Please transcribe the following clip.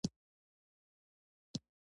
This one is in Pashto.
پارلمان باید په دې موضوع کې شامل کړل شي.